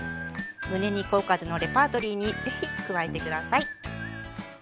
むね肉おかずのレパートリーに是非加えて下さい。